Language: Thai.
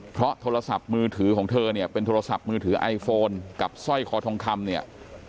เพราะโทรศัพท์มือถือของเธอเนี่ยเป็นโทรศัพท์มือถือไอโฟนกับสร้อยคอทองคำเนี่ย